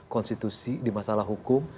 konstitusi di masalah hukum